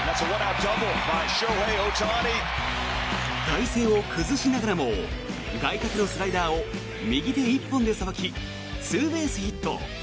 体勢を崩しながらも外角のスライダーを右手１本でさばきツーベースヒット。